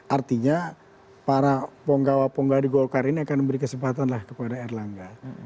artinya para penggawa penggawa di golkar ini akan memberi kesempatan lah kepada erlangga